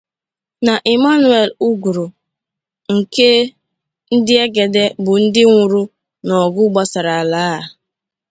na Emmanuel Uguru nke Ndiegede bụ ndị nwụrụ n’ọgụ gbasara ala a.